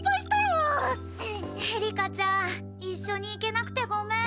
エリカちゃん一緒に行けなくてごめん。